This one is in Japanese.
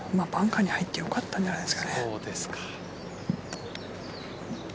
バンカーに入ってよかったんじゃないですかね。